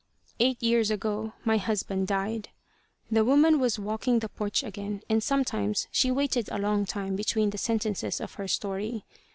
"Eight years ago my husband died." The woman was walking the porch again, and sometimes she waited a long time between the sentences of her story.